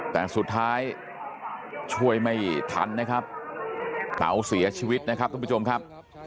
แต่สุดท้ายช่วยไม่ทันนะครับเต๋าเสียชีวิตนะครับทุกผู้ชมครับ